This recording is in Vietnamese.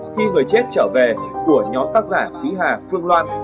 khi người chết trở về của nhóm tác giả thúy hà phương loan